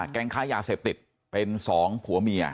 แก๊งค้ายาเสพติดเป็นสองผัวเมีย